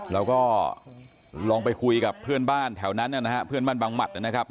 เราก็ลองไปคุยกับเพื่อนบ้านแถวนั้นนะฮะเพื่อนบ้านบางหมัดนะครับ